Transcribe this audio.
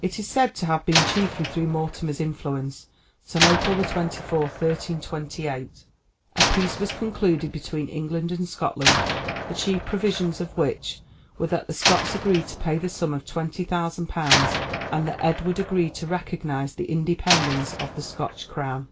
It is said to have been chiefly through Mortimer's influence that, on April 24, 1328, a peace was concluded between England and Scotland, the chief provisions of which were that the Scots agreed to pay the sum of £20,000, and that Edward agreed to recognize the independence of the Scotch crown.